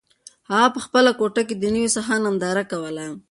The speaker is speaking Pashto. هغه په خپله کوټه کې د نوي سهار ننداره کوله.